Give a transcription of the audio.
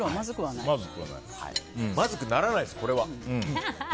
まずくならないです、これは。